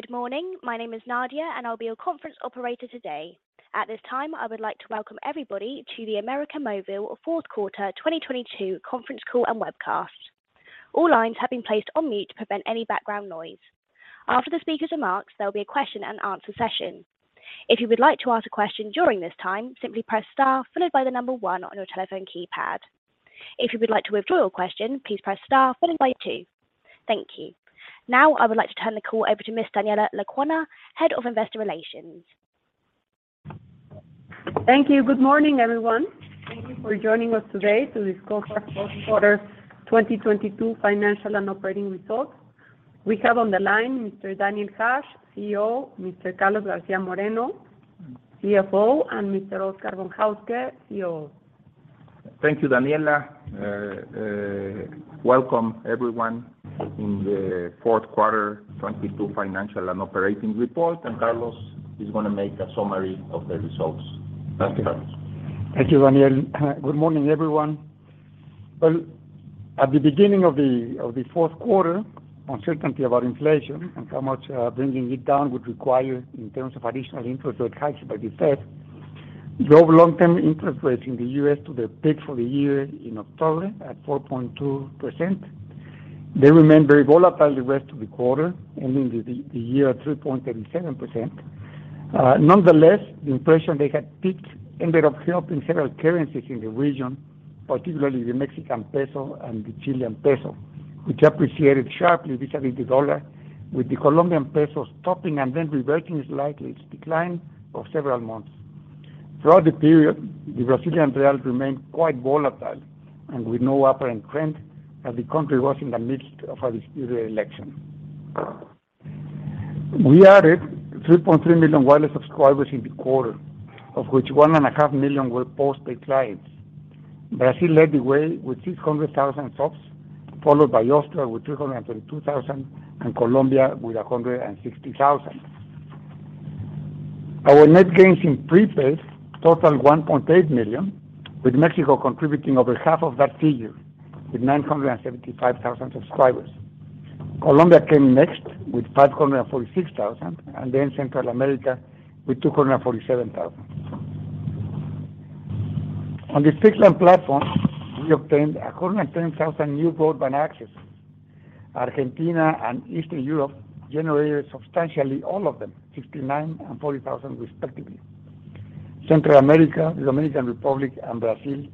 Good morning. My name is Nadia, and I'll be your conference operator today. At this time. I would like to welcome everybody to the América Móvil fourth quarter 2022 conference call and webcast. All lines have been placed on mute to prevent any background noise. After the speaker's remarks, there will be a Q&A session. If you would like to ask a question during this time, simply press Star followed by the number one on your telephone keypad. If you would like to withdraw your question, please press Star followed by two. Thank you. Now I would like to turn the call over to Ms. Daniela Lecuona, Head of Investor Relations. Thank you. Good morning, everyone. Thank you for joining us today to discuss fourth quarter 2022 financial and operating results. We have on the line Mr. Daniel Hajj, CEO, Mr. Carlos García Moreno, CFO, and Mr. Oscar Gonzalez, COO. Thank you, Daniela. Welcome everyone in the fourth quarter 2022 financial and operating report. Carlos is gonna make a summary of the results. Thank you, Carlos. Thank you, Daniel. Good morning, everyone. Well, at the beginning of the fourth quarter, uncertainty about inflation and how much bringing it down would require in terms of additional interest rate hikes by the Fed drove long-term interest rates in the U.S. to the peak for the year in October at 4.2%. They remained very volatile the rest of the quarter, ending the year at 3.37%. Nonetheless, the impression they had peaked ended up helping several currencies in the region, particularly the Mexican peso and the Chilean peso, which appreciated sharply vis-a-vis the dollar, with the Colombian peso stopping and then reverting its decline of several months. Throughout the period, the Brazilian real remained quite volatile and with no apparent trend as the country was in the midst of a presidential election. We added 3.3 million wireless subscribers in the quarter, of which 1.5 million were postpaid clients. Brazil led the way with 600,000 subs, followed by Austria with 332,000, and Colombia with 160,000. Our net gains in prepaid totaled 1.8 million, with Mexico contributing over half of that figure with 975,000 subscribers. Colombia came next with 546,000, then Central America with 247,000. On the fixed line platform, we obtained 110,000 new broadband access. Argentina and Eastern Europe generated substantially all of them, 69,000 and 40,000, respectively. Central America, the Dominican Republic, and Brazil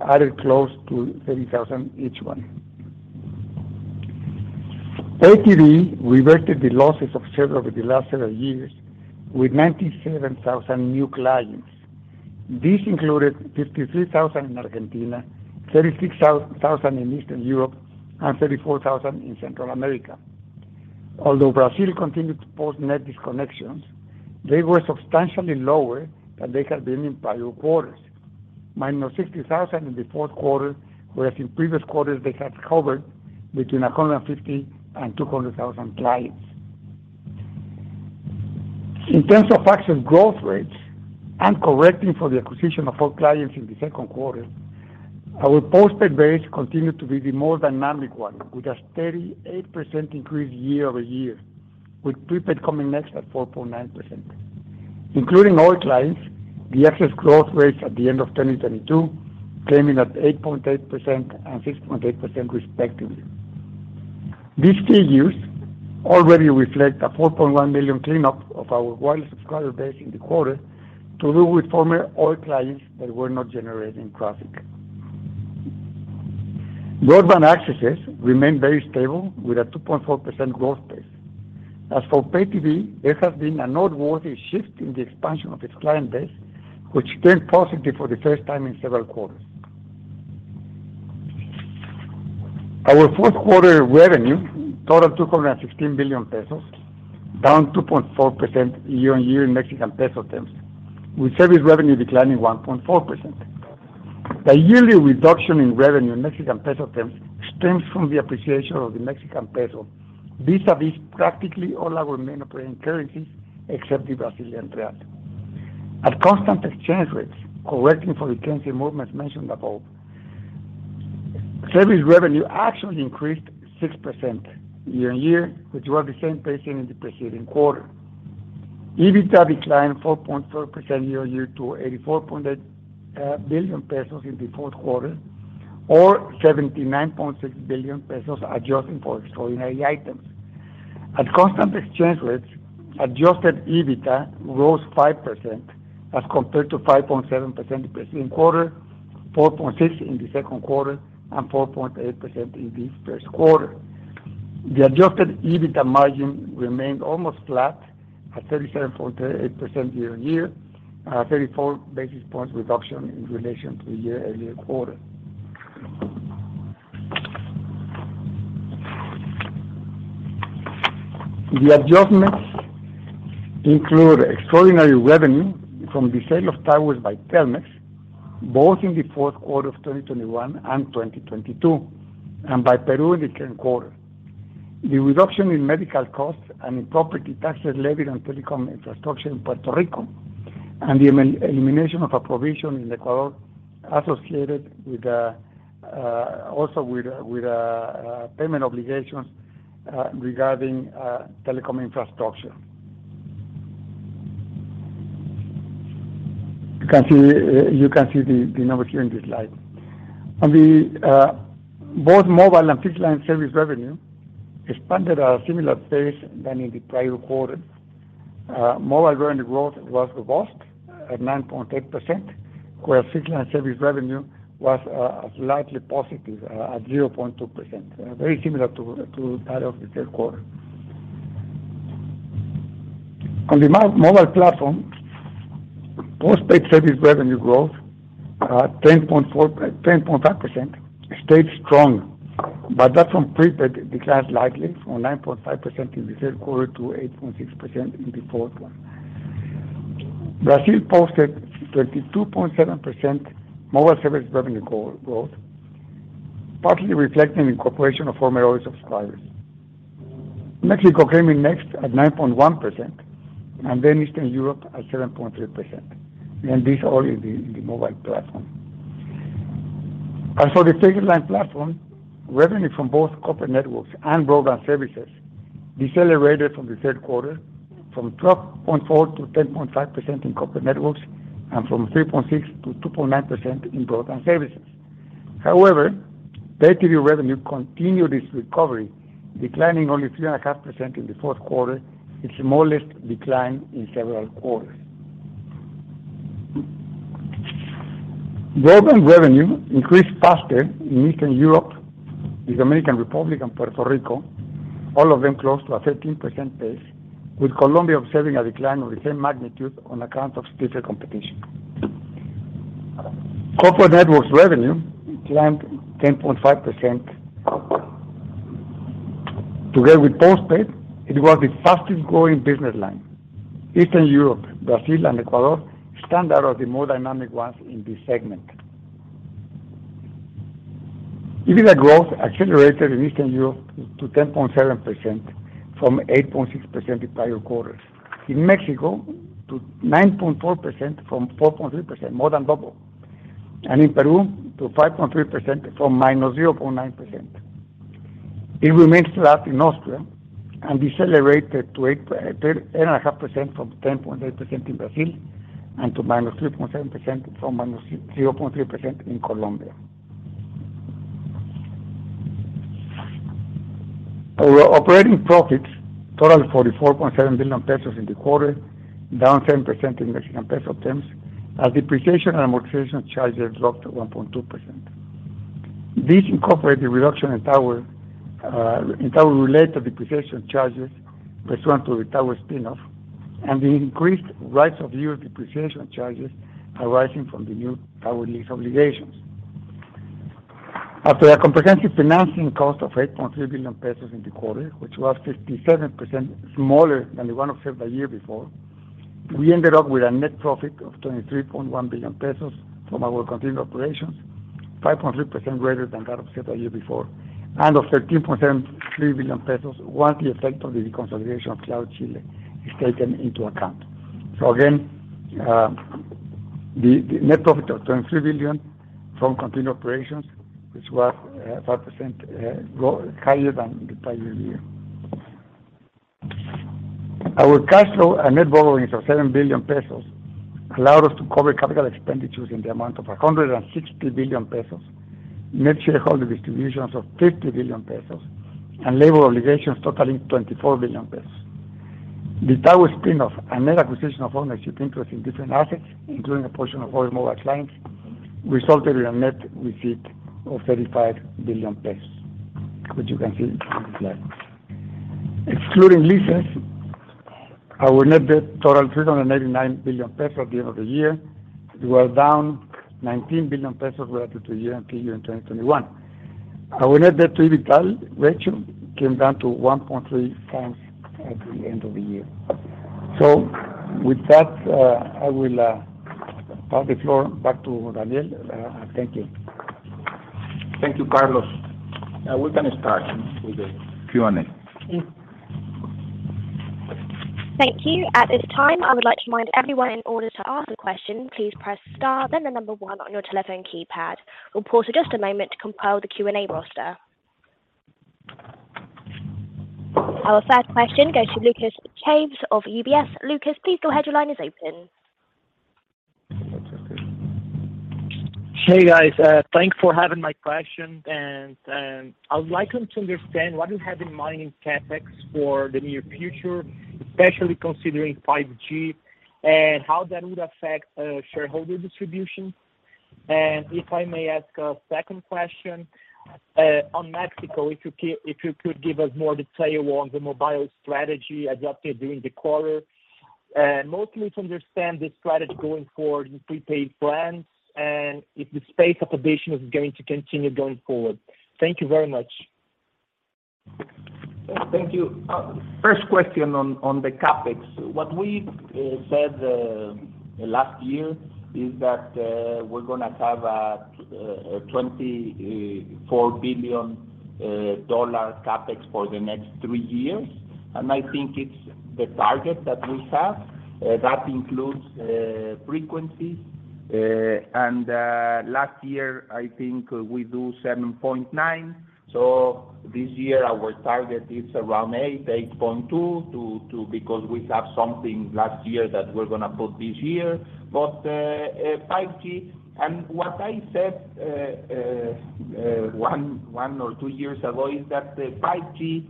added close to 30,000 each one. Pay TV reverted the losses of the last several years with 97,000 new clients. This included 53,000 in Argentina, 36,000 in Eastern Europe, and 34,000 in Central America. Although Brazil continued to post net disconnections, they were substantially lower than they had been in prior quarters, -60,000 in the fourth quarter, whereas in previous quarters they had hovered between 150 and 200,000 clients. In terms of actual growth rates and correcting for the acquisition of Oi clients in the second quarter, our postpaid base continued to be the more dynamic one, with a 38% increase year-over-year, with prepaid coming next at 4.9%. Including all clients, the access growth rates at the end of 2022 came in at 8.8% and 6.8% respectively. These figures already reflect a 4.1 million cleanup of our wireless subscriber base in the quarter to do with former Oi clients that were not generating traffic. Broadband accesses remained very stable with a 2.4% growth pace. As for Pay TV, there has been a noteworthy shift in the expansion of its client base, which turned positive for the first time in several quarters. Our fourth quarter revenue totaled 216 billion pesos, down 2.4% year-on-year in Mexican peso terms, with service revenue declining 1.4%. The yearly reduction in revenue in Mexican peso terms stems from the appreciation of the Mexican peso. These are practically all our main operating currencies except the Brazilian real. At constant exchange rates, correcting for the currency movements mentioned above, service revenue actually increased 6% year-on-year, which were the same pacing in the preceding quarter. EBITDA declined 4.4% year-on-year to 84 billion pesos in the fourth quarter, or 79.6 billion pesos adjusting for extraordinary items. At constant exchange rates, adjusted EBITDA rose 5% as compared to 5.7% in the preceding quarter, 4.6% in the second quarter, and 4.8% in the first quarter. The adjusted EBITDA margin remained almost flat at 37.8% year-on-year, a 34 basis point reduction in relation to the year earlier quarter. The adjustments include extraordinary revenue from the sale of towers by Telmex, both in the fourth quarter of 2021 and 2022, and by Peru in the current quarter. The reduction in medical costs and in property taxes levied on telecom infrastructure in Puerto Rico and the elimination of a provision in Ecuador associated with the also with payment obligations regarding telecom infrastructure. You can see the numbers here in this slide. On the both mobile and fixed line service revenue expanded a similar pace than in the prior quarter. Mobile revenue growth was robust at 9.8%, whereas fixed line service revenue was slightly positive at 0.2%. Very similar to that of the third quarter. On the mobile platform, postpaid service revenue growth, 10.5% stayed strong, but that from prepaid declined slightly from 9.5% in the third quarter to 8.6% in the fourth one. Brazil posted 22.7% mobile service revenue growth, partly reflecting the incorporation of former Oi subscribers. Mexico came in next at 9.1% and then Eastern Europe at 7.3%. These are all in the mobile platform. As for the fixed line platform, revenue from both corporate networks and broadband services decelerated from the third quarter from 12.4% to 10.5% in corporate networks and from 3.6% to 2.9% in broadband services. Pay TV revenue continued its recovery, declining only 3.5% in the fourth quarter, its smallest decline in several quarters. Broadband revenue increased faster in Eastern Europe, the Dominican Republic and Puerto Rico, all of them close to a 13% pace, with Colombia observing a decline of the same magnitude on account of stiffer competition. Corporate networks revenue declined 10.5%. Together with postpaid, it was the fastest growing business line. Eastern Europe, Brazil and Ecuador stand out as the more dynamic ones in this segment. EBITDA growth accelerated in Eastern Europe to 10.7% from 8.6% the prior quarters. In Mexico to 9.4% from 4.3%, more than double. In Peru to 5.3% from -0.9%. It remained flat in Austria and decelerated to eight, 10.5% from 10.8% in Brazil, and to -3.7% from -0.3% in Colombia. Our operating profits totaled 44.7 billion pesos in the quarter, down 10% in Mexican peso terms, as depreciation and amortization charges dropped to 1.2%. This incorporated reduction in tower-related depreciation charges pursuant to the tower spin-off and the increased rights of user depreciation charges arising from the new tower lease obligations. After our comprehensive financing cost of 8.3 billion pesos in the quarter, which was 57% smaller than the one observed a year before, we ended up with a net profit of 23.1 billion pesos from our continued operations, 5.3% greater than that observed a year before, and of 13.3 billion pesos once the effect of the reconsolidation of Claro Chile is taken into account. Again, the net profit of 23 billion from continued operations, which was 5% higher than the prior year. Our cash flow and net borrowings of 7 billion pesos allowed us to cover capital expenditures in the amount of 160 billion pesos, net shareholder distributions of 50 billion pesos, and labor obligations totaling 24 billion pesos. The tower spin-off and net acquisition of ownership interest in different assets, including a portion of Oi mobile clients, resulted in a net receipt of 35 billion pesos, which you can see in this slide. Excluding leases, our net debt totaled 389 billion pesos at the end of the year. It was down 19 billion pesos relative to year and period in 2021. Our net debt to EBITDA ratio came down to 1.3x at the end of the year. With that, I will pass the floor back to Daniel. Thank you. Thank you, Carlos. We're going to start with the Q&A. Thank you. At this time, I would like to remind everyone in order to ask a question, please press star then the one on your telephone keypad. We'll pause for just a moment to compile the Q&A roster. Our first question goes to Lucas Chaves of UBS. Lucas, please go ahead. Your line is open. Hey, guys. Thanks for having my question. I would like to understand what you have in mind in CapEx for the near future, especially considering 5G, and how that would affect shareholder distribution. If I may ask a second question on Mexico, if you could give us more detail on the mobile strategy adopted during the quarter, mostly to understand the strategy going forward in prepaid plans and if the space acquisition is going to continue going forward. Thank you very much. Thank you. First question on the CapEx. What we said last year is that we're gonna have a $24 billion CapEx for the next three years. I think it's the target that we have that includes frequencies. Last year, I think we do $7.9. This year our target is around $8, $8.2 because we have something last year that we're gonna put this year. 5G... What I said one or two years ago is that the 5G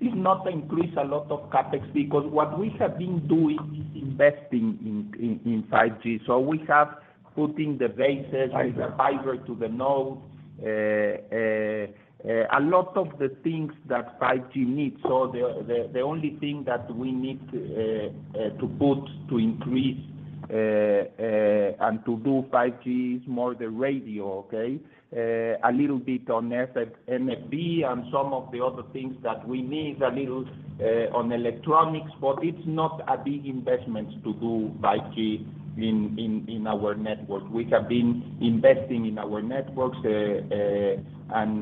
is not increase a lot of CapEx because what we have been doing is investing in 5G. We have putting the bases- Fiber. With the fiber to the node, a lot of the things that 5G needs. The only thing that we need to put to increase and to do 5G is more the radio, okay? A little bit on SF-MFD and some of the other things that we need a little on electronics, but it's not a big investment to do 5G in our network. We have been investing in our networks and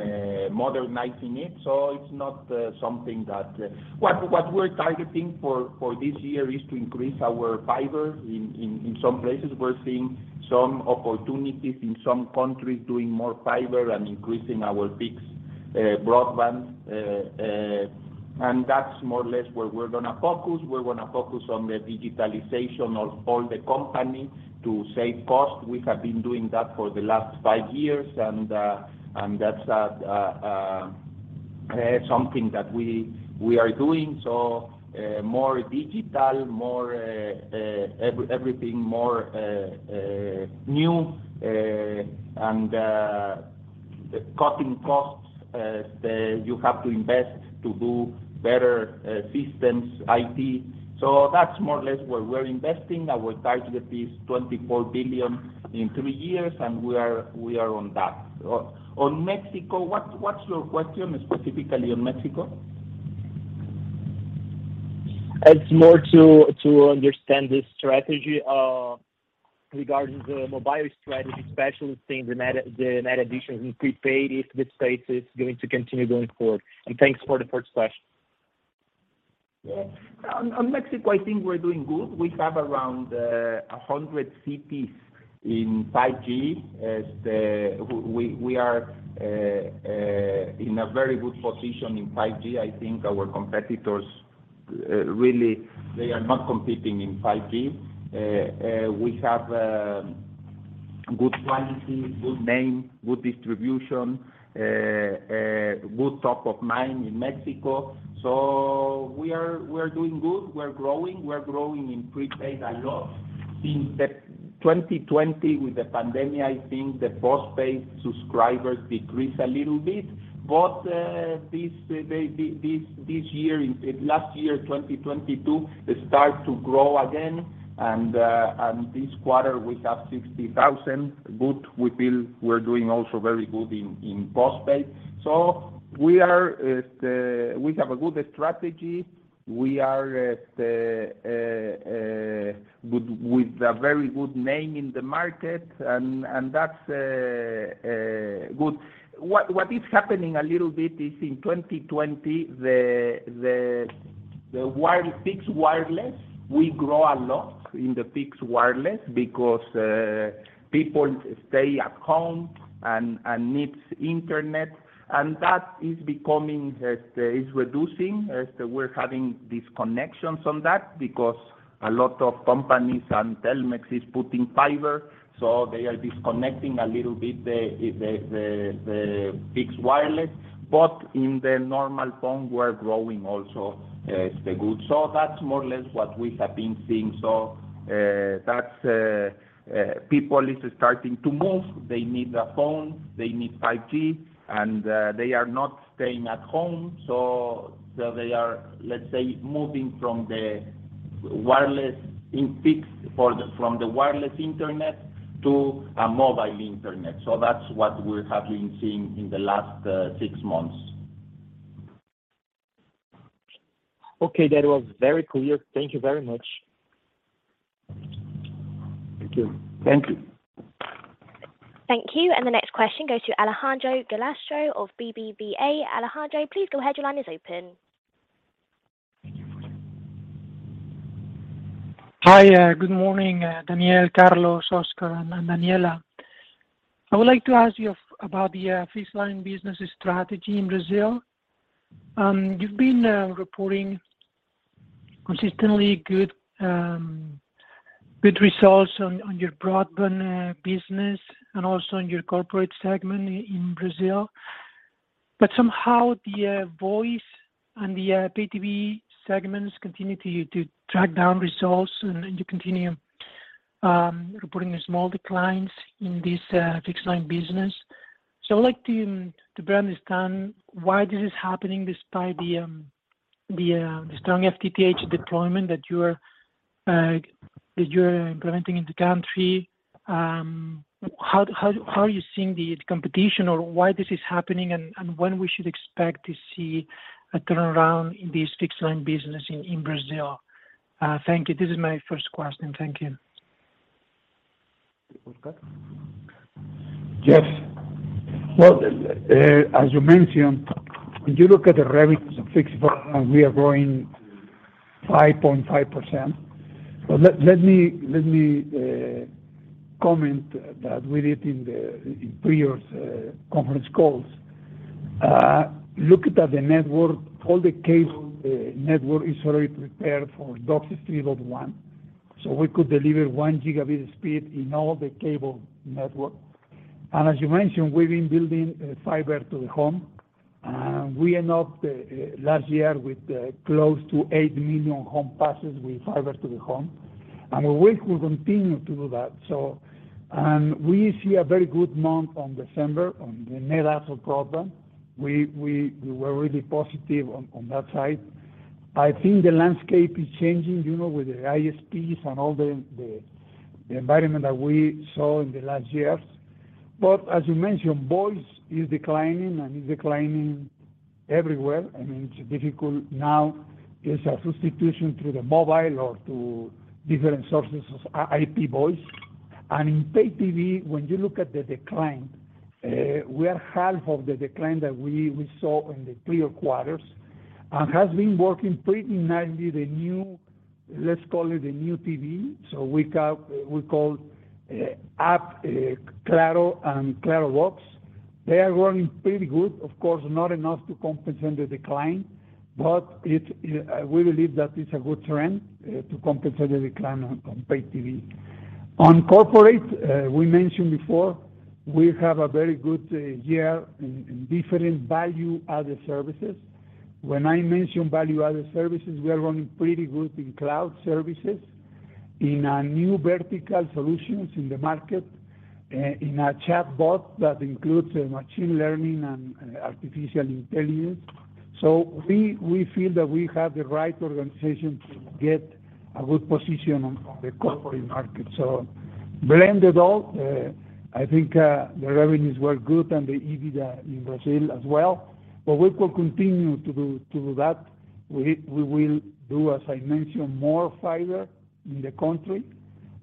modernizing it. What we're targeting for this year is to increase our fiber in some places. We're seeing some opportunities in some countries doing more fiber and increasing our fixed broadband. That's more or less where we're gonna focus. We're going to focus on the digitalization of all the company to save costs. We have been doing that for the last 5 years, and that's something that we are doing. More digital, more everything, more new, and cutting costs. You have to invest to do better systems, IT. That's more or less where we're investing. Our target is $24 billion in 3three years, and we are on that. On Mexico, what's your question specifically on Mexico? It's more to understand the strategy regarding the mobile strategy, especially seeing the net addition in prepaid, if this pace is going to continue going forward. Thanks for the first question. Yeah. On Mexico, I think we're doing good. We have around 100 cities in 5G. We are in a very good position in 5G. I think our competitors really, they are not competing in 5G. We have good quality, good name, good distribution, good top of mind in Mexico. We are doing good. We're growing. We're growing in prepaid a lot. Since the 2020 with the pandemic, I think the postpaid subscribers decreased a little bit. This year, in last year, 2022, it start to grow again. This quarter we have 60,000. Good. We feel we're doing also very good in postpaid. We have a good strategy. We are good with a very good name in the market, and that's good. What is happening a little bit is in 2020, the fixed wireless, we grow a lot in the fixed wireless because people stay at home and needs internet, and that is becoming is reducing, we're having disconnections on that because a lot of companies and Telmex is putting fiber, so they are disconnecting a little bit the fixed wireless. In the normal phone, we're growing also still good. That's more or less what we have been seeing. That's people is starting to move. They need a phone, they need 5G, and they are not staying at home. They are, let's say, moving from the wireless in fixed from the wireless internet to a mobile internet. That's what we have been seeing in the last six months. Okay. That was very clear. Thank you very much. Thank you. Thank you. Thank you. The next question goes to Alejandro Gallostra of BBVA. Alejandro, please go ahead. Your line is open. Hi. Good morning, Daniel, Carlos, Oscar, and Daniela. I would like to ask you about the fixed line business strategy in Brazil. You've been reporting consistently good good results on your broadband business and also on your corporate segment in Brazil. Somehow the voice and the P2B segments continue to track down results and you continue reporting small declines in this fixed line business. I'd like to better understand why this is happening despite the strong FTTH deployment that you are implementing in the country. How are you seeing the competition or why this is happening and when we should expect to see a turnaround in this fixed line business in Brazil? Thank you. This is my first question. Thank you. Yes. Well, as you mentioned, when you look at the revenues of fixed broadband, we are growing 5.5%. Let me comment that we did in previous conference calls. Look at the network. All the cable network is already prepared for DOCSIS 3.1. We could deliver 1 gigabit speed in all the cable network. As you mentioned, we've been building fiber to the home. We end up last year with close to 8 million home passes with fiber to the home. We will continue to do that. We see a very good month on December on the net asset program. We were really positive on that side. I think the landscape is changing, you know, with the ISPs and all the environment that we saw in the last years. As you mentioned, voice is declining, and it's declining everywhere. I mean, it's difficult now. It's a substitution through the mobile or through different sources of IP voice. In pay TV, when you look at the decline, we are half of the decline that we saw in the prior quarters. Has been working pretty nicely, the new, let's call it the new TV. We call app, Claro and Claro Box. They are running pretty good. Of course, not enough to compensate the decline, but it's, we believe that it's a good trend to compensate the decline on pay TV. On corporate, we mentioned before, we have a very good year in different value-added services. When I mention value-added services, we are running pretty good in cloud services, in new vertical solutions in the market, in a chatbot that includes machine learning and artificial intelligence. We feel that we have the right organization to get a good position on the corporate market. Blend it all, I think the revenues were good and the EBITDA in Brazil as well. We will continue to do that. We will do, as I mentioned, more fiber in the country.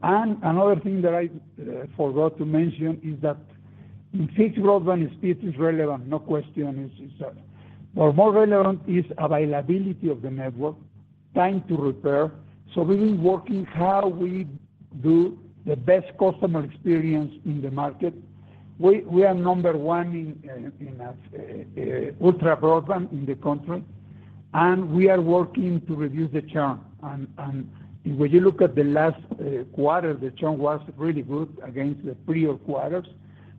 Another thing that I forgot to mention is that in fixed broadband, speed is relevant, no question. It's, but more relevant is availability of the network, time to repair. We've been working how we do the best customer experience in the market. We are number one in ultra broadband in the country, and we are working to reduce the churn. When you look at the last quarter, the churn was really good against the prior quarters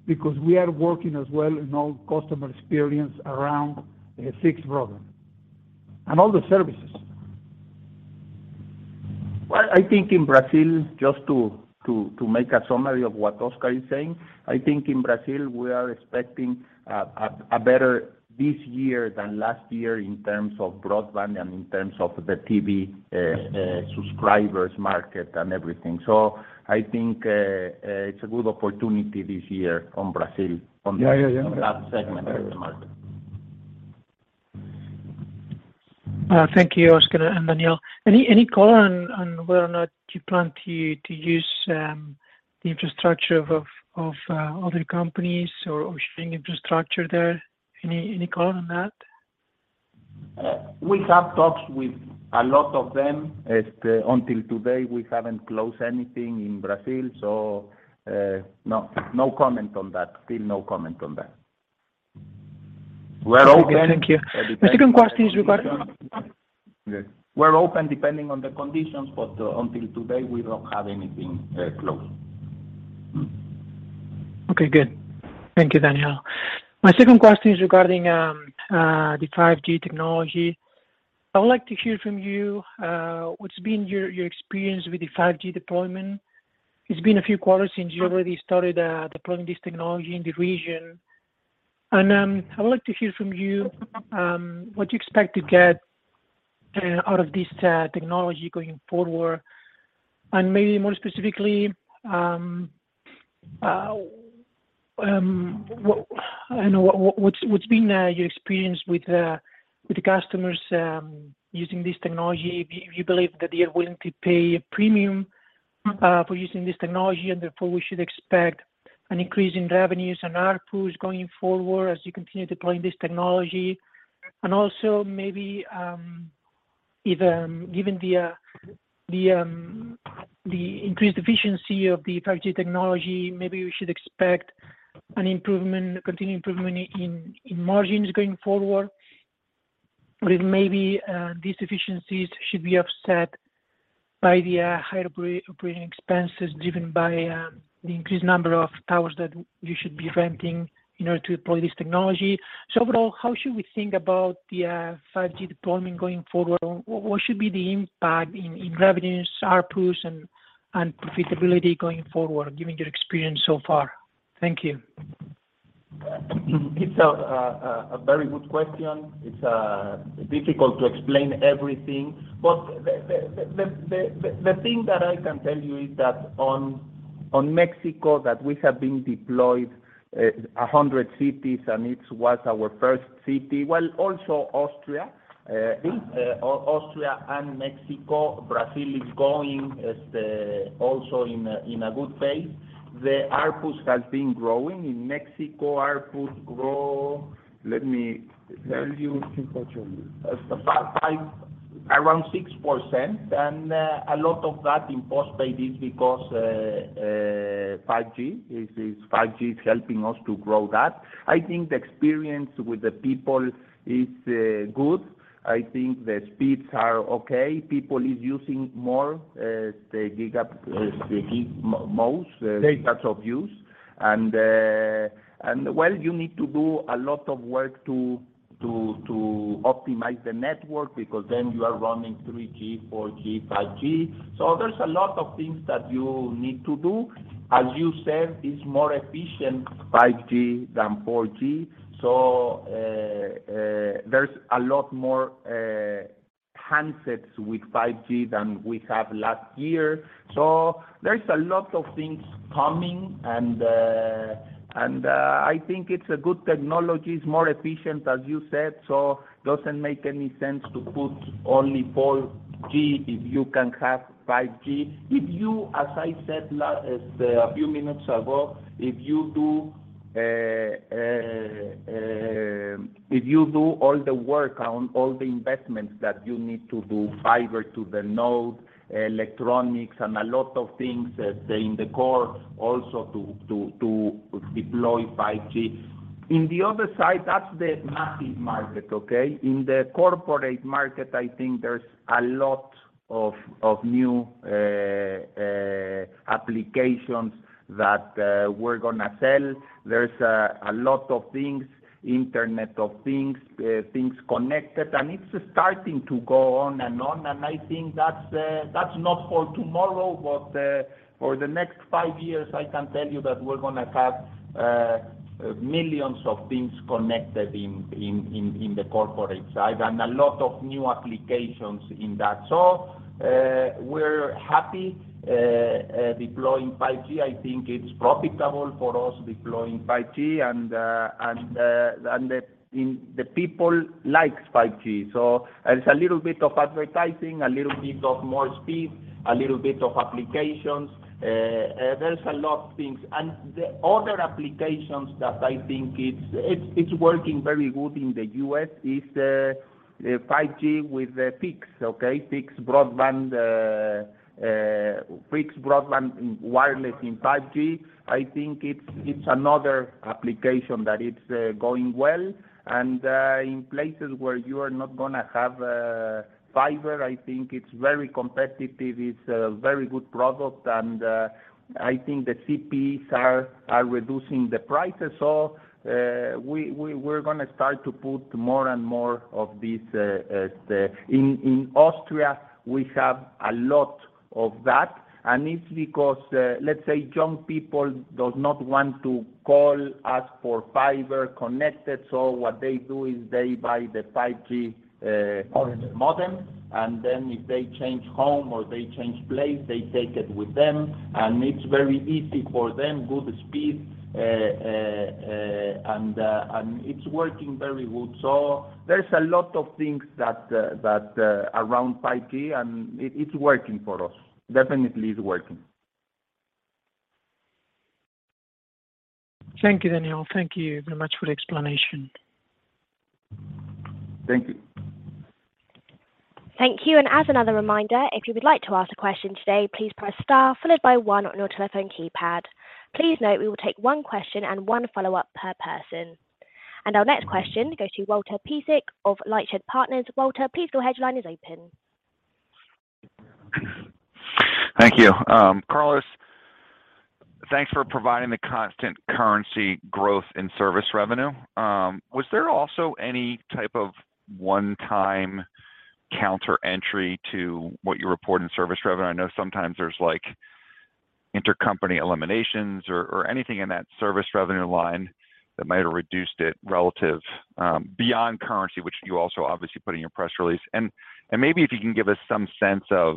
because we are working as well in all customer experience around the fixed broadband and all the services. I think in Brazil, just to make a summary of what Oscar is saying, I think in Brazil we are expecting a better this year than last year in terms of broadband and in terms of the TV subscribers market and everything. I think it's a good opportunity this year on Brazil on that. Yeah, yeah. On that segment of the market. Thank you, Oscar and Daniel. Any color on whether or not you plan to use the infrastructure of other companies or sharing infrastructure there? Any color on that? We have talks with a lot of them. As until today, we haven't closed anything in Brazil. No, no comment on that. Still no comment on that. Okay, thank you. My second question is. We're open depending on the conditions, but, until today, we don't have anything, closed. Okay, good. Thank you, Daniel. My second question is regarding the 5G technology. I would like to hear from you, what's been your experience with the 5G deployment. It's been a few quarters since you already started deploying this technology in the region. I would like to hear from you, what you expect to get out of this technology going forward. Maybe more specifically, what's been your experience with the customers using this technology? Do you believe that they are willing to pay a premium for using this technology, and therefore we should expect an increase in revenues and ARPU is going forward as you continue deploying this technology? Also maybe, if given the increased efficiency of the 5G technology, maybe we should expect an improvement, continued improvement in margins going forward? If maybe, these efficiencies should be offset by the higher operating expenses driven by the increased number of towers that you should be renting in order to deploy this technology? Overall, how should we think about the 5G deployment going forward? What should be the impact in revenues, ARPU, and profitability going forward given your experience so far? Thank you. It's a very good question. It's difficult to explain everything. The thing that I can tell you is that in Mexico that we have been deployed 100 cities and it was our first city. Well, also Austria and Mexico. Brazil is going as the also in a good phase. The ARPU has been growing. In Mexico, ARPU grow, let me tell you around 6%, and a lot of that imposed by this because 5G. 5G is helping us to grow that. I think the experience with the people is good. I think the speeds are okay. People is using more the gigas, GB of use. Well, you need to do a lot of work to optimize the network because then you are running 3G, 4G, 5G. There's a lot of things that you need to do. As you said, it's more efficient 5G than 4G. There's a lot more handsets with 5G than we have last year. There's a lot of things coming and I think it's a good technology. It's more efficient, as you said. Doesn't make any sense to put only 4G if you can have 5G. If you as I said as a few minutes ago, if you do all the work on all the investments that you need to do, fiber to the node, electronics, and a lot of things as in the core also to deploy 5G. In the other side, that's the massive market, okay? In the corporate market, I think there's a lot of new applications that we're gonna sell. There's a lot of things, Internet of Things, things connected, and it's starting to go on and on. I think that's that's not for tomorrow, but for the next five years, I can tell you that we're gonna have millions of things connected in the corporate side and a lot of new applications in that. We're happy deploying 5G. I think it's profitable for us deploying 5G and the people likes 5G. It's a little bit of advertising, a little bit of more speed, a little bit of applications. There's a lot of things. The other applications that I think it's working very good in the U.S. is the 5G with the Pix, okay? Fixed broadband, Fixed broadband wireless in 5G. I think it's another application that it's going well. In places where you are not gonna have fiber, I think it's very competitive. It's a very good product. I think the CPs are reducing the prices. We're gonna start to put more and more of this. In Austria, we have a lot of that, and it's because, let's say young people does not want to call us for fiber connected. What they do is they buy the 5G modem, and then if they change home or they change place, they take it with them, and it's very easy for them, good speed, and it's working very good. There's a lot of things that around 5G, and it's working for us. Definitely is working. Thank you, Daniel. Thank you very much for the explanation. Thank you. Thank you. As another reminder, if you would like to ask a question today, please press star followed by one on your telephone keypad. Please note we will take one question and one follow-up per person. Our next question goes to Walter Piecyk of LightShed Partners. Walter, please your headline is open. Thank you. Carlos, thanks for providing the constant currency growth in service revenue. Was there also any type of one-time counter entry to what you report in service revenue? I know sometimes there's like intercompany eliminations or anything in that service revenue line that might have reduced it relative beyond currency, which you also obviously put in your press release. And maybe if you can give us some sense of,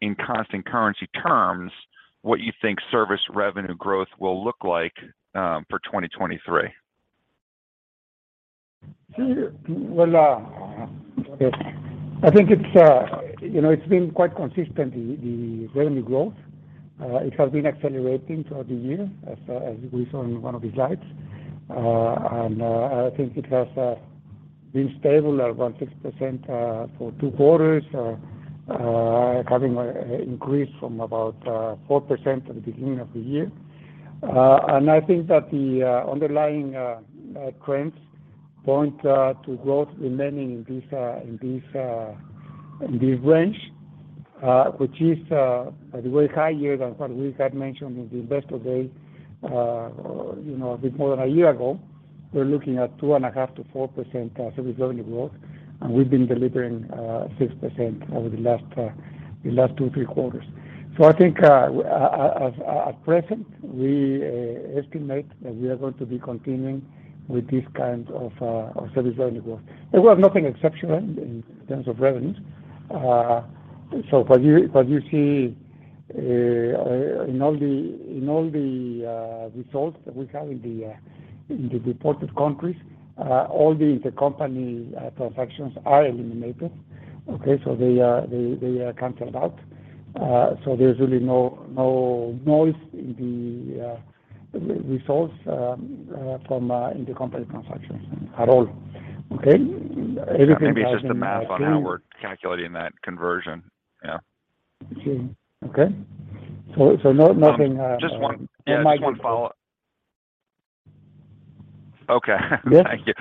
in constant currency terms, what you think service revenue growth will look like for 2023? Well, I think it's, you know, it's been quite consistent, the revenue growth. It has been accelerating throughout the year as we saw in one of the slides. I think it has been stable around 6% for two quarters, having increased from about 4% at the beginning of the year. I think that the underlying trends point to growth remaining in this range, which is, by the way, higher than what Luis had mentioned in the Investor Day, you know, a bit more than one year ago. We're looking at 2.5%-4% service revenue growth, and we've been delivering 6% over the last two three quarters. I think, at present, we estimate that we are going to be continuing with this kind of service revenue growth. Well, nothing exceptional in terms of revenues. What you see in all the results that we have in the reported countries, all the intercompany transactions are eliminated. Okay? They are canceled out. There's really no noise in the results from intercompany transactions at all. Okay? Everything has been- Yeah. Maybe it's just the math on how we're calculating that conversion. Yeah. Okay. Nothing Just one. Yeah. Just one follow-up. Okay. Good. Thank you.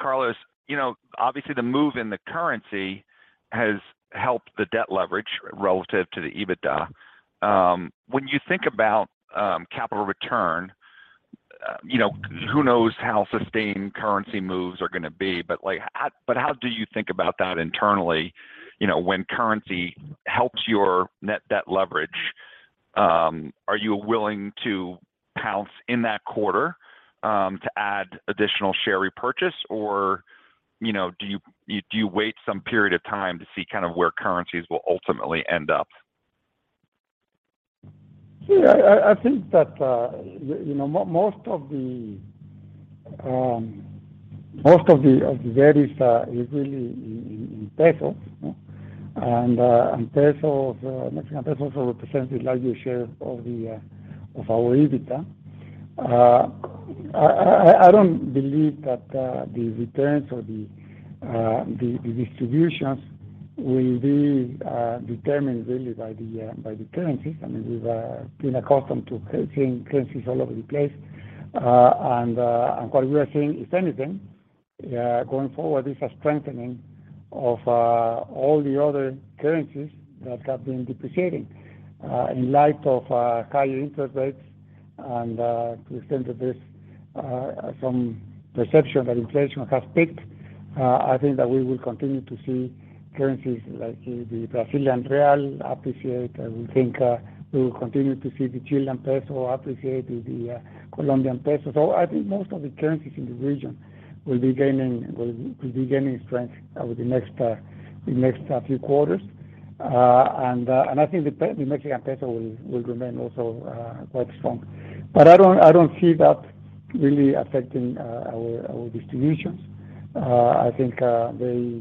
Carlos, you know, obviously the move in the currency has helped the debt leverage relative to the EBITDA. When you think about, capital return, you know, who knows how sustained currency moves are gonna be? But how do you think about that internally, you know, when currency helps your net debt leverage, are you willing to pounce in that quarter, to add additional share repurchase? Or, you know, do you, do you wait some period of time to see kind of where currencies will ultimately end up? Yeah. I think that, you know, most of the varies is really in pesos. Mexican pesos also represent the largest share of our EBITDA. I don't believe that the returns or the distributions will be determined really by the currencies. I mean, we've been accustomed to seeing currencies all over the place. What we are seeing, if anything, going forward is a strengthening of all the other currencies that have been depreciating in light of higher interest rates. To the extent that there's some perception that inflation has peaked, I think that we will continue to see currencies like the Brazilian real appreciate. I would think, we will continue to see the CLP appreciate, the COP. I think most of the currencies in the region will be gaining strength over the next few quarters. I think the MXN will remain also quite strong. I don't, I don't see that really affecting our distributions. I think, you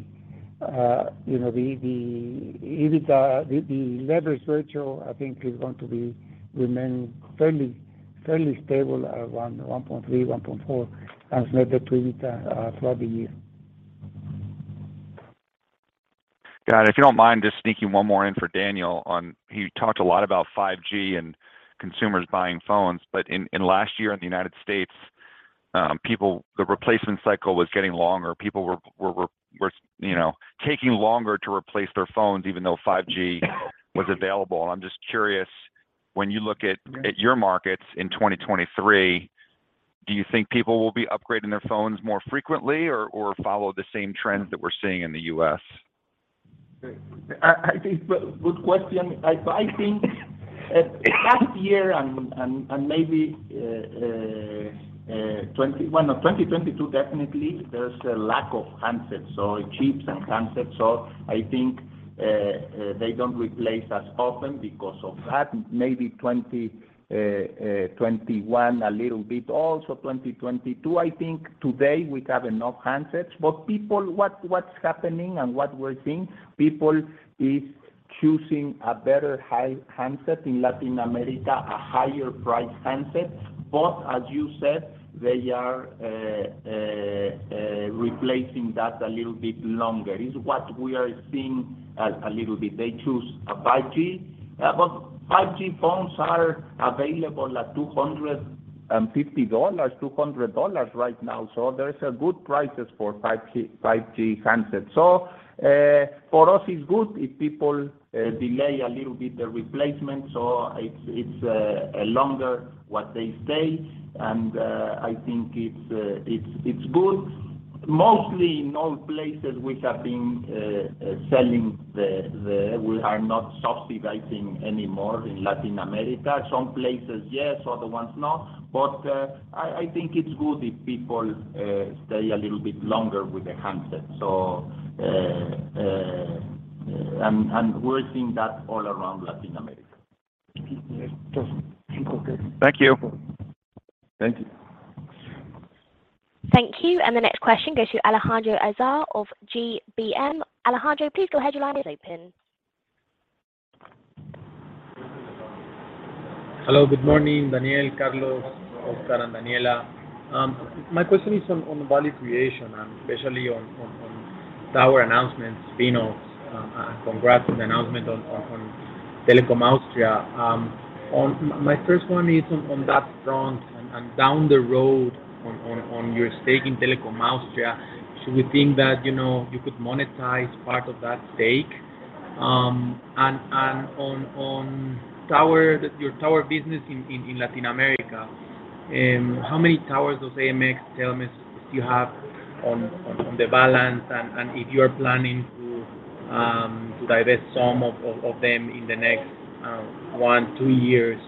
know, the EBITDA, the leverage ratio, I think is going to be remain fairly stable at around 1.3-1.4 times net debt [inaudible] to EBITDA throughout the year. Got it. If you don't mind just sneaking one more in for Daniel. He talked a lot about 5G and consumers buying phones. In last year in the United States, the replacement cycle was getting longer. People were, you know, taking longer to replace their phones even though 5G was available. I'm just curious, when you look at Yeah. At your markets in 2023, do you think people will be upgrading their phones more frequently or follow the same trends that we're seeing in the U.S.? I think good question. I think last year and maybe 2022 definitely there's a lack of handsets. Chips and handsets. I think they don't replace as often because of that. Maybe 2021 a little bit. Also 2022. I think today we have enough handsets. People what's happening and what we're seeing, people is choosing a better high handset in Latin America, a higher priced handset. As you said, they are replacing that a little bit longer. Is what we are seeing a little bit. They choose a 5G. 5G phones are available at $250, $200 right now. There is a good prices for 5G handsets. For us it's good if people delay a little bit the replacement. It's, it's a longer what they stay, and I think it's good. Mostly in all places we have been selling the-- We are not subsidizing anymore in Latin America. Some places, yes, other ones, no. I think it's good if people stay a little bit longer with the handsets. And, and we're seeing that all around Latin America. Yes. Just think of it. Thank you. Thank you. Thank you. Thank you. The next question goes to Alejandro Azar of GBM. Alejandro, please go ahead. Your line is open. Hello. Good morning Daniel, Carlos, Oscar, and Daniela. My question is on value creation, and especially on tower announcements, spin-offs. Congrats on the announcement on Telekom Austria. My first one is on that front and down the road on your stake in Telekom Austria. Should we think that, you know, you could monetize part of that stake? And on your tower business in Latin America, how many towers does AMX Telmex you have on the balance? If you're planning to divest some of them in the next one, two years?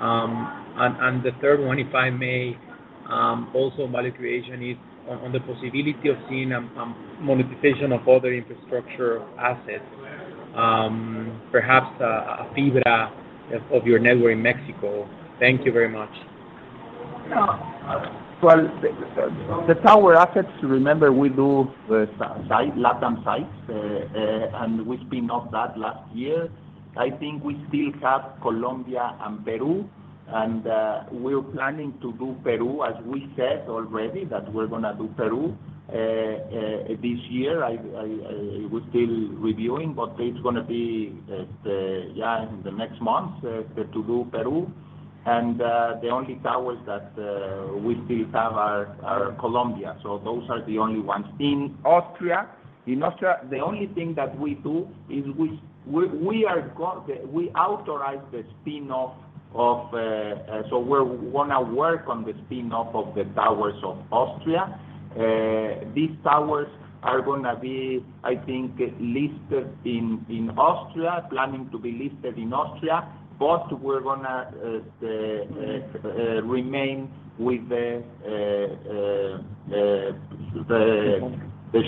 And the third one, if I may? Also value creation is on the possibility of seeing monetization of other infrastructure assets. Perhaps a fibra of your network in Mexico. Thank you very much. Well, the tower assets, remember we do Sitios Latinoamérica, and we spin off that last year. I think we still have Colombia and Peru. We're planning to do Peru, as we said already, that we're gonna do Peru this year. We're still reviewing, it's gonna be, yeah, in the next month to do Peru. The only towers that we still have are Colombia. Those are the only ones. In Austria. In Austria, the only thing that we do is we authorize the spin-off of. We wanna work on the spin-off of the towers of Austria. These towers are gonna be, I think, listed in Austria, planning to be listed in Austria. We're gonna remain with the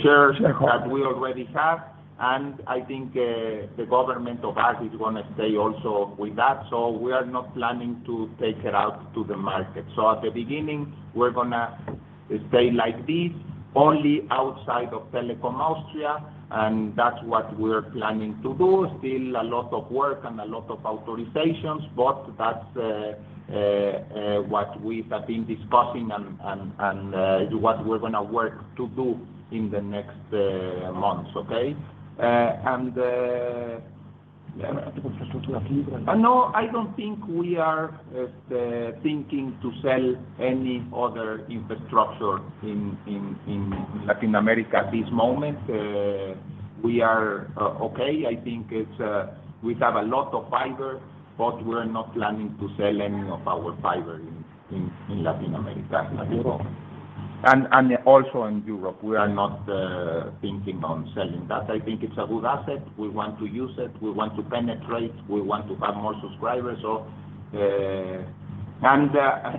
shares that we already have. I think the government of Austria is gonna stay also with that. We are not planning to take it out to the market. At the beginning, we're gonna stay like this, only outside of Telekom Austria, and that's what we're planning to do. Still a lot of work and a lot of authorizations, but that's what we have been discussing and what we're gonna work to do in the next months. Okay? No, I don't think we are thinking to sell any other infrastructure in Latin America this moment. We are okay. I think it's, we have a lot of fiber, but we're not planning to sell any of our fiber in Latin America at this moment. Also in Europe, we are not thinking on selling that. I think it's a good asset. We want to use it, we want to penetrate, we want to have more subscribers. And,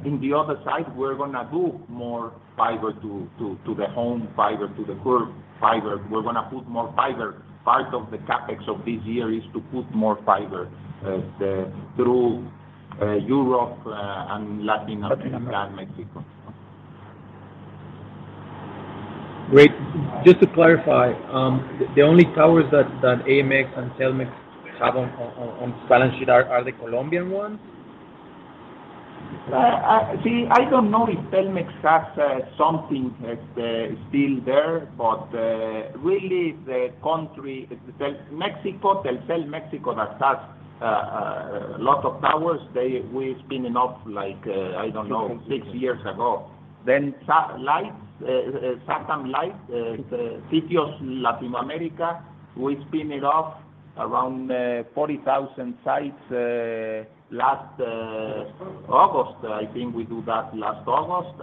in the other side, we're gonna do more fiber to the home fiber, to the core fiber. We're gonna put more fiber. Part of the CapEx of this year is to put more fiber through Europe, and Latin America and Mexico. Great. Just to clarify, the only towers that AMX and Telmex have on balance sheet are the Colombian ones? see, I don't know if Telmex has something still there, but really the country, Telmex that has lot of towers, we spinning off like I don't know, six years ago. Sitios Latinoamerica, we spin it off around 40,000 sites last August. I think we do that last August.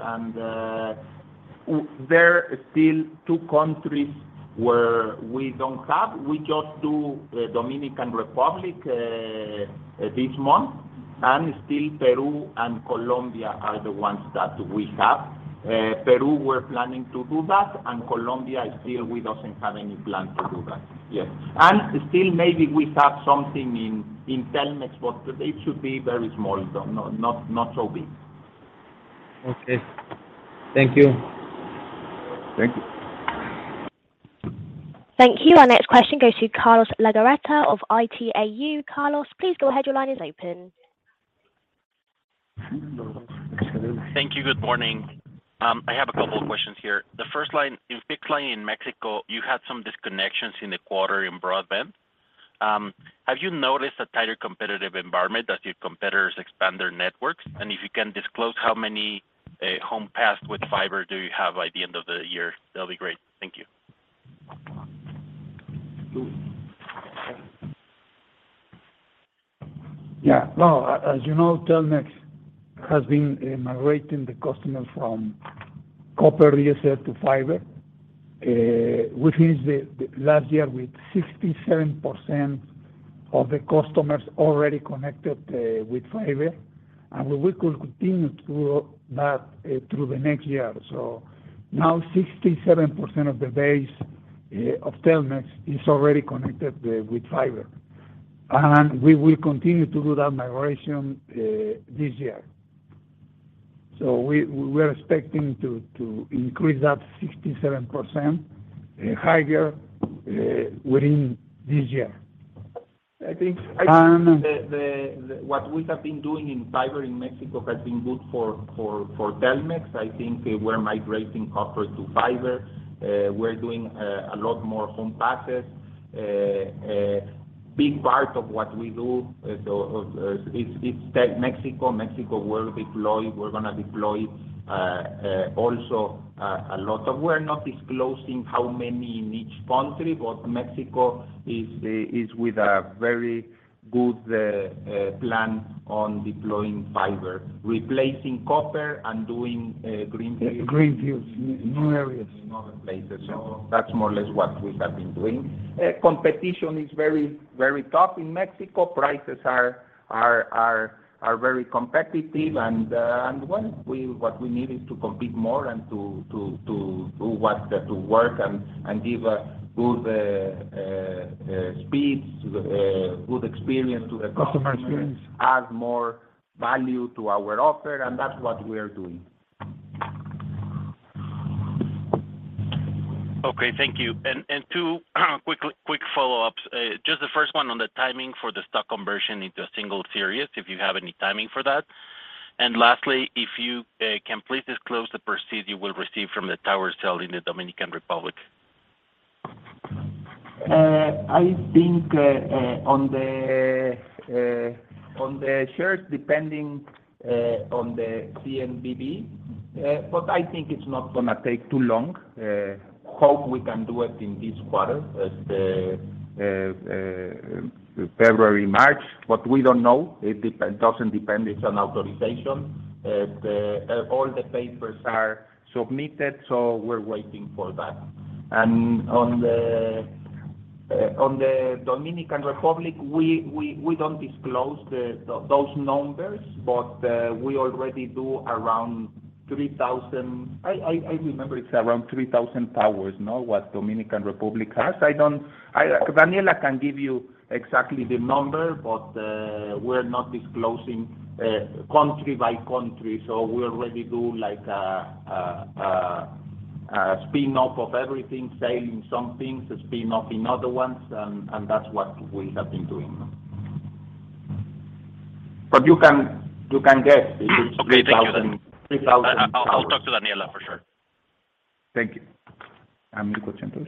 There are still two countries where we don't have. We just do Dominican Republic this month. Still Peru and Colombia are the ones that we have. Peru, we're planning to do that, and Colombia is still, we doesn't have any plan to do that. Yes. Still, maybe we have something in Telmex, but it should be very small, so not so big. Okay. Thank you. Thank you. Thank you. Our next question goes to Carlos de Legarreta of Itaú BBA. Carlos, please go ahead. Your line is open. Thank you. Good morning. I have a couple of questions here. The first line. In fixed line in Mexico, you had some disconnections in the quarter in broadband. Have you noticed a tighter competitive environment as your competitors expand their networks? If you can disclose how many home passed with fiber do you have by the end of the year, that'll be great. Thank you. No, as you know, Telmex has been migrating the customer from copper DSL to fiber, which is last year with 67% of the customers already connected with fiber. We will continue to that through the next year. Now 67% of the base of Telmex is already connected with fiber. We will continue to do that migration this year. We're expecting to increase that 67% higher within this year. I think the what we have been doing in fiber in Mexico has been good for Telmex. I think we're migrating copper to fiber. We're doing a lot more home passes. A big part of what we do, so, is TelMex. Mexico will deploy. We're gonna deploy also a lot of... We're not disclosing how many in each country, but Mexico is with a very good plan on deploying fiber, replacing copper and doing greenfields. Greenfields. New areas. In other places. That's more or less what we have been doing. Competition is very tough in Mexico. Prices are very competitive. One, what we need is to compete more and to work and give a good speeds, good experience to the customer... Customer experience Add more value to our offer, and that's what we are doing. Okay, thank you. Two quick follow-ups. Just the first one on the timing for the stock conversion into a single series, if you have any timing for that? Lastly, if you can please disclose the proceeds you will receive from the tower sale in the Dominican Republic? I think on the shares depending on the CNBV, but I think it's not gonna take too long. Hope we can do it in this quarter as the February, March. We don't know, it doesn't depend, it's on authorization. The all the papers are submitted, so we're waiting for that. On the Dominican Republic, we don't disclose those numbers, but we already do around 3,000... I remember it's around 3,000 towers, no? What Dominican Republic has. Daniela can give you exactly the number, but we're not disclosing country by country. We already do like a spin-off of everything, selling some things, spin-off in other ones, and that's what we have been doing. You can guess if it's 3,000. Okay. Thank you 3,000 towers. I'll talk to Daniela for sure. Thank you. I'm Nico Santos.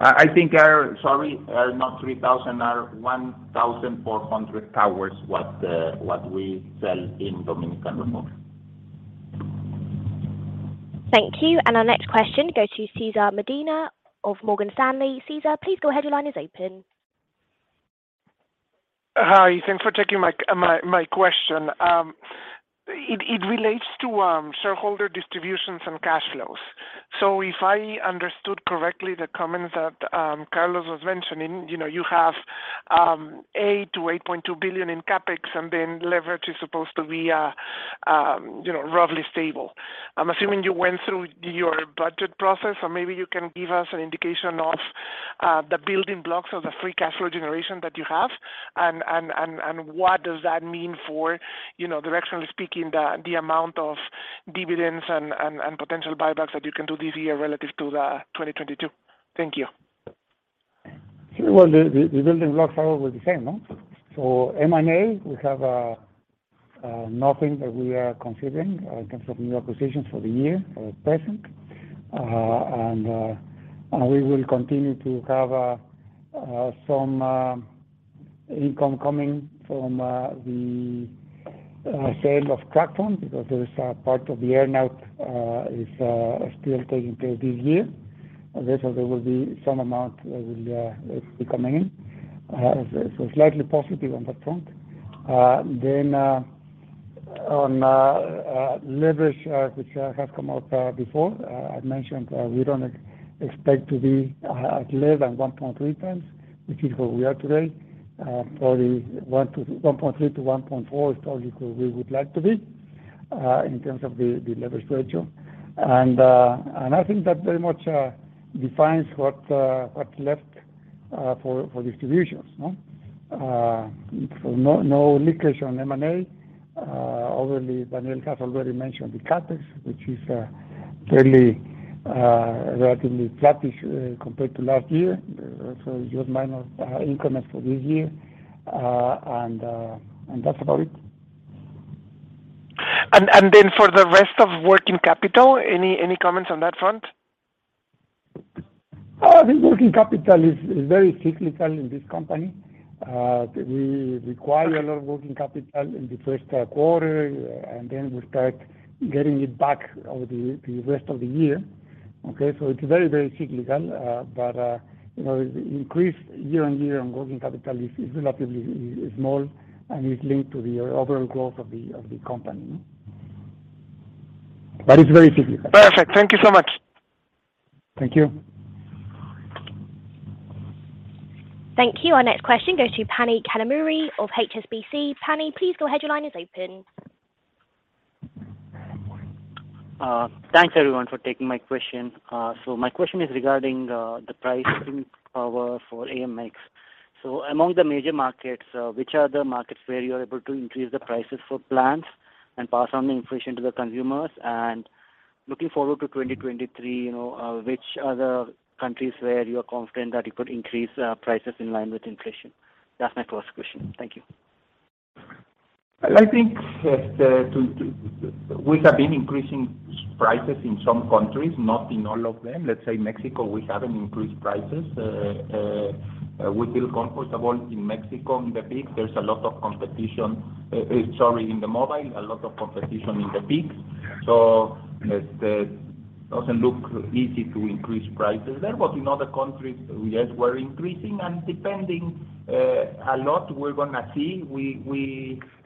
Sorry, not 3,000, 1,400 towers what we sell in Dominican Republic. Thank you. Our next question goes to Cesar Medina of Morgan Stanley. Cesar, please go ahead, your line is open. Hi, thanks for taking my question. It relates to shareholder distributions and cash flows. If I understood correctly the comments that Carlos was mentioning, you know, you have $8 to $8.2 billion in CapEx, and then leverage is supposed to be, you know, roughly stable. I'm assuming you went through your budget process or maybe you can give us an indication of the building blocks of the free cash flow generation that you have, and what does that mean for, you know, directionally speaking the amount of dividends and potential buybacks that you can do this year relative to 2022? Thank you. The building blocks are always the same, no? M&A, we have nothing that we are considering in terms of new acquisitions for the year at present. We will continue to have some income coming from the sale of Crackle because there is a part of the earn out is still taking place this year. There will be some amount will be coming in. Slightly positive on that front. On leverage, which has come out before, I've mentioned, we don't expect to be at less than 1.3x, which is where we are today. Probably one to, 1.3-1.4 is probably where we would like to be in terms of the leverage ratio. I think that very much defines what's left for distributions, no? No, no leakage on M&A. Already Daniela has already mentioned the CapEx, which is fairly relatively flattish compared to last year. Just minor increments for this year. That's about it. Then for the rest of working capital, any comments on that front? The working capital is very cyclical in this company. We require a lot of working capital in the first quarter, and then we start getting it back over the rest of the year. Okay? It's very cyclical. You know, the increase year-over-year on working capital is relatively small and is linked to the overall growth of the company. It's very cyclical. Perfect. Thank you so much. Thank you. Thank you. Our next question goes to Phani Kanumuri of HSBC. Phani, please go ahead, your line is open. Thanks everyone for taking my question. My question is regarding the pricing power for AMX. Among the major markets, which are the markets where you're able to increase the prices for plans and pass on the inflation to the consumers? Looking forward to 2023, you know, which are the countries where you are confident that you could increase prices in line with inflation? That's my first question. Thank you. I think we have been increasing prices in some countries, not in all of them. Let's say Mexico, we haven't increased prices. We feel comfortable in Mexico in the peak. Sorry, in the mobile, a lot of competition in the peak. It doesn't look easy to increase prices there. In other countries, yes, we're increasing. Depending a lot, we're going to see.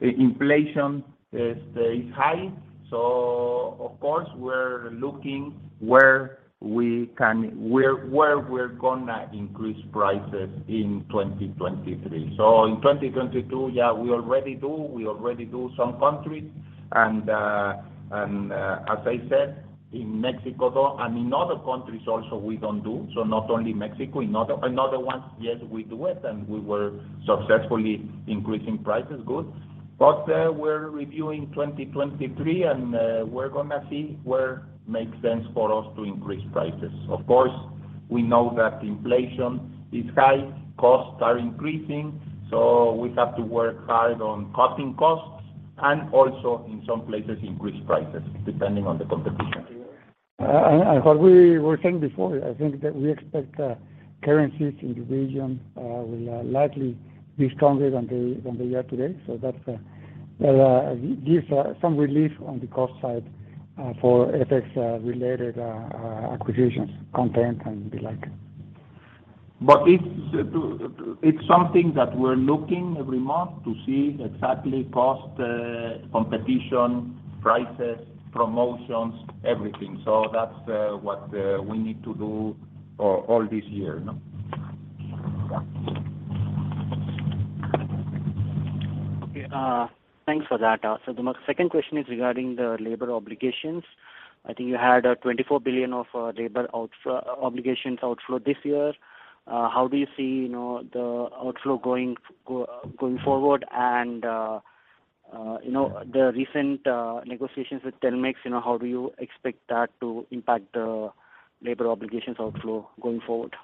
Inflation is high, of course we're looking where we can, where we're going to increase prices in 2023. In 2022, yeah, we already do some countries. As I said, in Mexico though, and in other countries also we don't do. Not only Mexico, in other ones, yes, we do it, and we were successfully increasing prices good. We're reviewing 2023 and we're gonna see where makes sense for us to increase prices. Of course, we know that inflation is high, costs are increasing, so we have to work hard on cutting costs and also in some places increase prices depending on the competition. Transcript of a speech given by a speaker at a conference. "Uh, and what we were saying before, I think that we expect currencies in the region will likely be stronger than the year to date. So that will give some relief on the cost side for FX related acquisitions, content and the like. It's something that we're looking every month to see exactly cost, competition, prices, promotions, everything. That's what we need to do all this year, you know? Yeah. Okay. Thanks for that. The second question is regarding the labor obligations. I think you had a 24 billion of labor obligations outflow this year. How do you see, you know, the outflow going forward and, you know, the recent negotiations with Telmex, you know, how do you expect that to impact the labor obligations outflow going forward?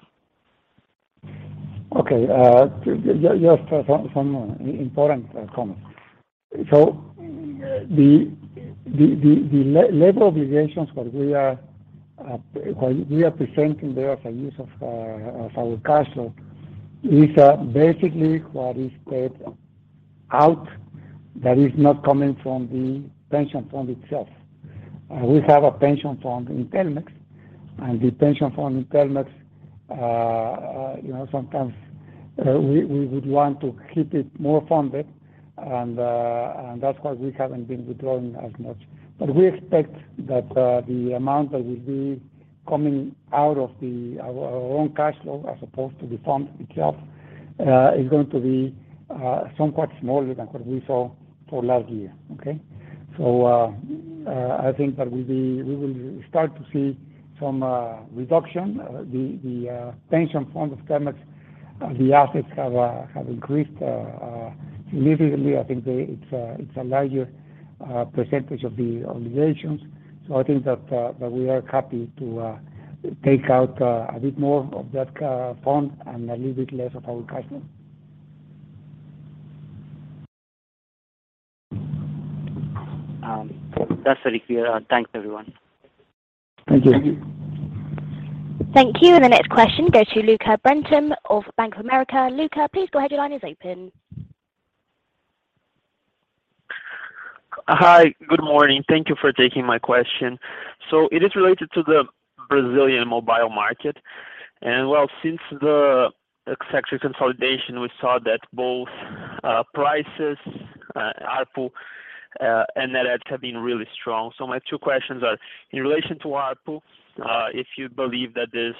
Okay. Yes, some important comments. The labor obligations, what we are presenting there as a use of our cash flow is basically what is paid out that is not coming from the pension fund itself. We have a pension fund in Telmex, and the pension fund in Telmex, you know, sometimes, we would want to keep it more funded and that's why we haven't been withdrawing as much. We expect that the amount that will be coming out of our own cash flow as opposed to the fund itself, is going to be somewhat smaller than what we saw for last year, okay? I think that we will start to see some reduction. The pension fund of Telmex, the assets have increased significantly. I think it's a larger percentage of the obligations. I think that we are happy to take out a bit more of that fund and a little bit less of our cash flow. That's very clear. Thanks, everyone. Thank you. Thank you. Thank you. The next question goes to Luca Brenta of Bank of America. Luca, please go ahead. Your line is open. Hi. Good morning. Thank you for taking my question. It is related to the Brazilian mobile market. Well, since the sector consolidation, we saw that both prices, ARPU, and net adds have been really strong. My two questions are: In relation to ARPU, if you believe that this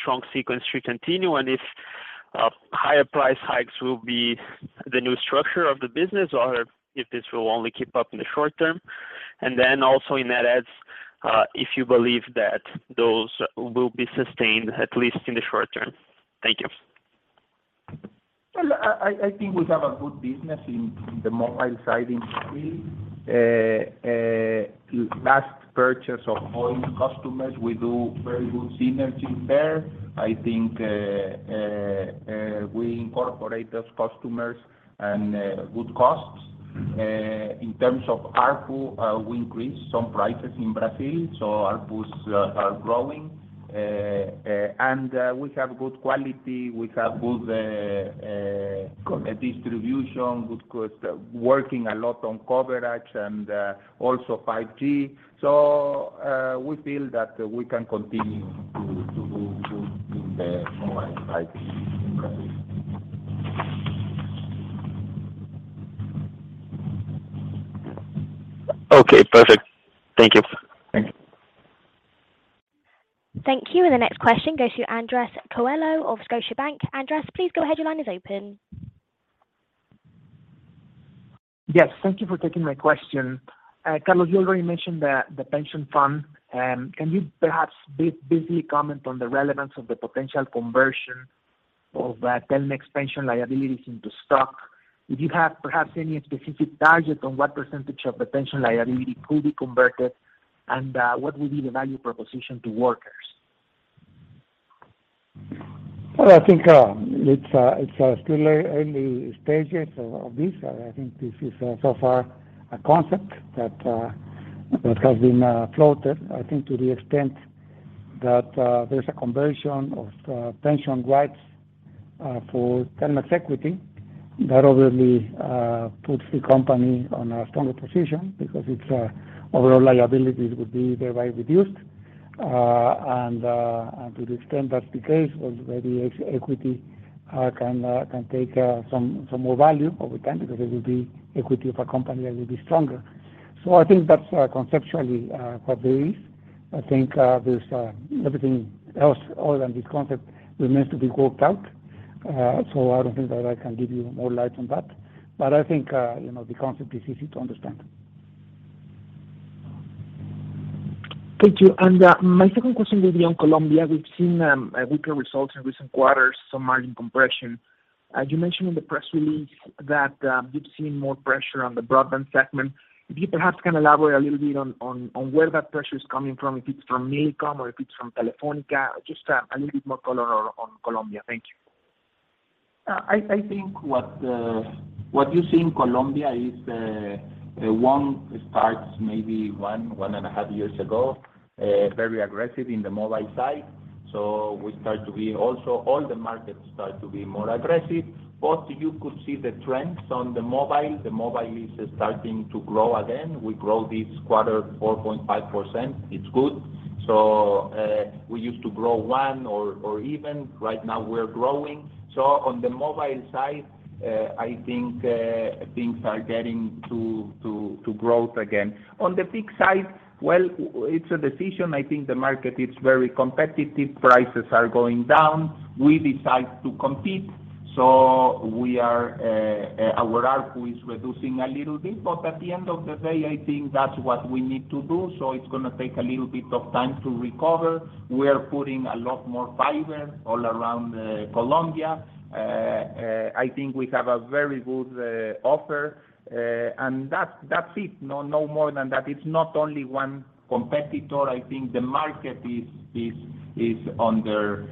strong sequence should continue, and if higher price hikes will be the new structure of the business or if this will only keep up in the short term? Also in net adds, if you believe that those will be sustained, at least in the short term. Thank you. Well, I think we have a good business in the mobile side industry. Last purchase of Oi customers, we do very good synergy there. I think, we incorporate those customers and good costs. In terms of ARPU, we increased some prices in Brazil, so ARPUs are growing. We have good quality, we have good co- distribution, good cost, working a lot on coverage and also 5G. We feel that we can continue to do good in the mobile side in Brazil. Okay, perfect. Thank you. Thank you. Thank you. The next question goes to Andrés Coello of Scotiabank. Andrés, please go ahead. Your line is open. Yes, thank you for taking my question. Carlos, you already mentioned the pension fund. Can you perhaps briefly comment on the relevance of the potential conversion of the Telmex pension liabilities into stock? Did you have perhaps any specific target on what percentage of the pension liability could be converted? What would be the value proposition to workers? Well, I think it's it's still early stages of this. I think this is so far a concept that has been floated. I think to the extent that there's a conversion of pension rights for Telmex equity, that obviously puts the company on a stronger position because its overall liabilities would be thereby reduced. To the extent that's the case, well, maybe ex- equity can take some more value over time because it will be equity of a company that will be stronger. I think that's conceptually what there is. I think there's everything else other than this concept remains to be worked out. I don't think that I can give you more light on that. I think, you know, the concept is easy to understand. Thank you. My second question will be on Colombia. We've seen weaker results in recent quarters, some margin compression. You mentioned in the press release that you've seen more pressure on the broadband segment. If you perhaps can elaborate a little bit on where that pressure is coming from, if it's from Millicom or if it's from Telefónica, just a little bit more color on Colombia? Thank you. I think what you see in Colombia is one and a half years ago, very aggressive in the mobile side. We start to be also all the markets start to be more aggressive. You could see the trends on the mobile. The mobile is starting to grow again. We grow this quarter 4.5%. It's good. We used to grow one or even. Right now, we're growing. On the mobile side, I think things are getting to growth again. On the fixed side, well, it's a decision. I think the market is very competitive. Prices are going down. We decide to compete. We are, our ARPU is reducing a little bit, but at the end of the day, I think that's what we need to do. It's gonna take a little bit of time to recover. We are putting a lot more fiber all around Colombia. I think we have a very good offer. That's it. No more than that. It's not only one competitor. I think the market is under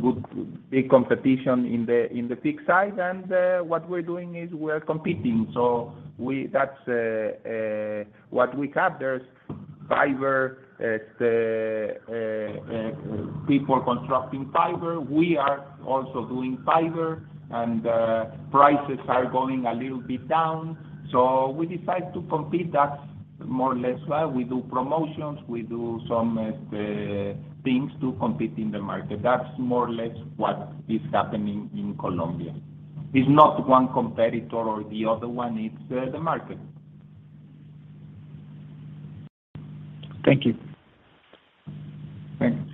good big competition in the fixed side. What we're doing is we're competing. That's what we have. There's fiber, people constructing fiber. We are also doing fiber, and prices are going a little bit down. We decide to compete. That's more or less why we do promotions. We do some things to compete in the market. That's more or less what is happening in Colombia. It's not one competitor or the other one, it's the market. Thank you. Thanks.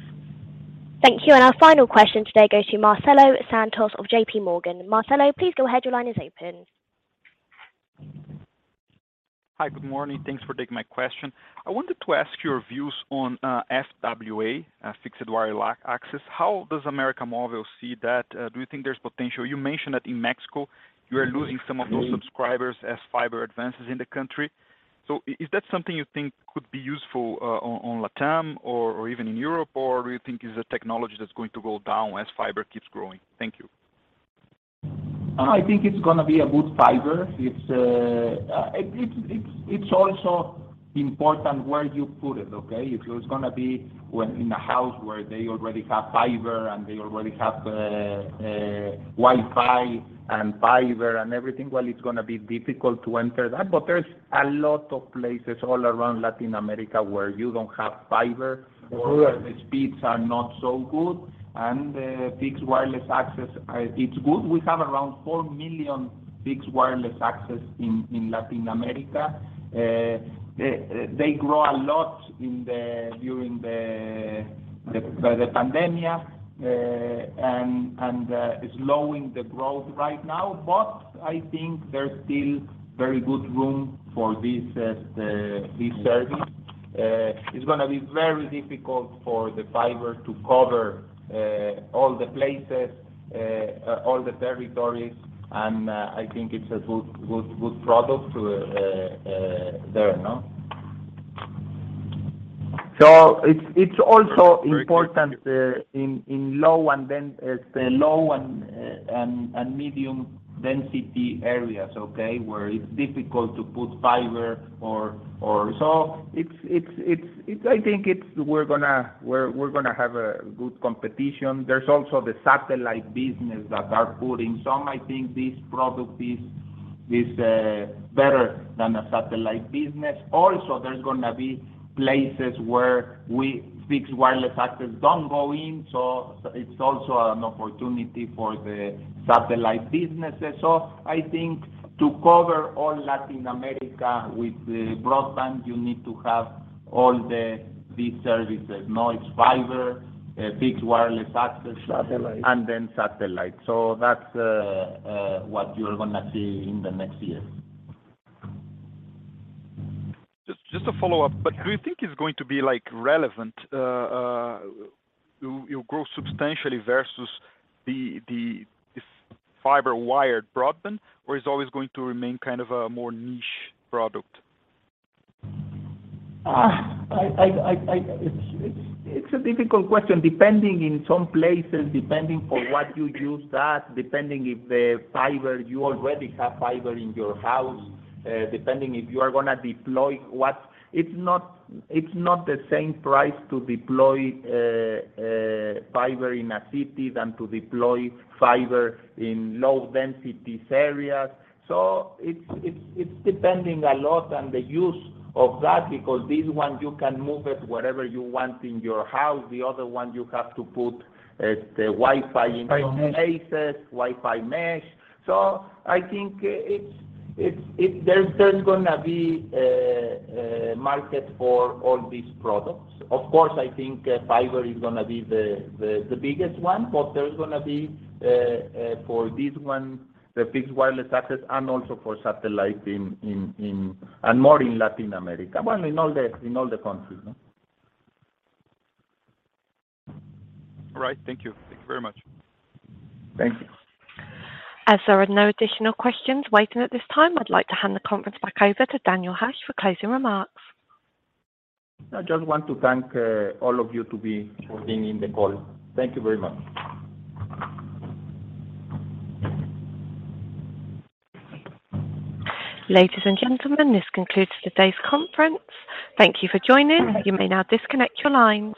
Thank you. Our final question today goes to Marcelo Santos of JPMorgan. Marcelo, please go ahead. Your line is open. Hi. Good morning. Thanks for taking my question. I wanted to ask your views on FWA, fixed wireless access. How does América Móvil see that? Do you think there's potential? You mentioned that in Mexico you are losing some of those subscribers as fiber advances in the country. Is that something you think could be useful on LatAm or even in Europe? Do you think it's a technology that's going to go down as fiber keeps growing? Thank you. I think it's gonna be a good fiber. It's also important where you put it, okay? If it's gonna be when in a house where they already have fiber and they already have Wi-Fi and fiber and everything, well, it's gonna be difficult to enter that. There's a lot of places all around Latin America where you don't have fiber or the speeds are not so good and fixed wireless access, it's good. We have around 4 million fixed wireless access in Latin America. They grow a lot during the pandemic. It's slowing the growth right now. I think there's still very good room for this service. It's gonna be very difficult for the fiber to cover all the places, all the territories, and I think it's a good product to there, no? It's also important in low and then low and medium density areas, okay? Where it's difficult to put fiber or. I think it's we're gonna have a good competition. There's also the satellite business that are putting some. I think this product is better than a satellite business. There's gonna be places where we fixed wireless access don't go in, it's also an opportunity for the satellite businesses. I think to cover all Latin America with the broadband, you need to have all the, these services. Now it's fiber, fixed wireless access. Satellite Satellite. That's what you're gonna see in the next year. Just to follow up. Do you think it's going to be like relevant, you grow substantially versus the fiber wired broadband? Or is always going to remain kind of a more niche product? It's a difficult question. Depending in some places, depending for what you use that, depending if the fiber you already have fiber in your house, depending if you are gonna deploy what. It's not the same price to deploy fiber in a city than to deploy fiber in low densities areas. It's depending a lot on the use of that because this one you can move it wherever you want in your house. The other one you have to put Wi-Fi in some places. Wi-Fi mesh. Wi-Fi mesh. I think it's there's gonna be a market for all these products. Of course, I think fiber is gonna be the biggest one, but there's gonna be for this one, the fixed wireless access and also for satellite in and more in Latin America. In all the countries, no? All right. Thank you. Thank you very much. Thank you. As there are no additional questions waiting at this time, I'd like to hand the conference back over to Daniel Hajj for closing remarks. I just want to thank all of you for being in the call. Thank you very much. Ladies and gentlemen, this concludes today's conference. Thank you for joining. You may now disconnect your lines.